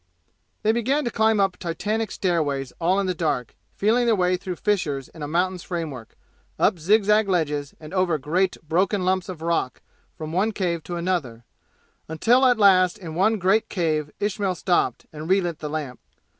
They began to climb up titanic stairways all in the dark, feeling their way through fissures in a mountain's framework, up zigzag ledges, and over great broken lumps of rock from one cave to another; until at last in one great cave Ismail stopped and relit the lamp.